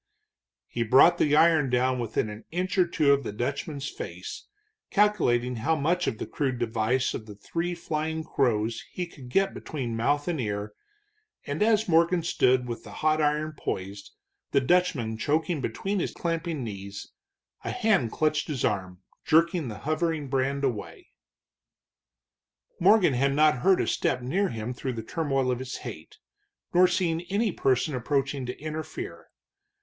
He brought the iron down within an inch or two of the Dutchman's face, calculating how much of the crude device of three flying crows he could get between mouth and ear, and as Morgan stood so with the hot iron poised, the Dutchman choking between his clamping knees, a hand clutched his arm, jerking the hovering brand away. Morgan had not heard a step near him through the turmoil of his hate, nor seen any person approaching to interfere.